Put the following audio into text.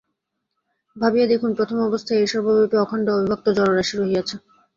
ভাবিয়া দেখুন, প্রথমাবস্থায় এই সর্বব্যাপী অখণ্ড অবিভক্ত জড়রাশি রহিয়াছে।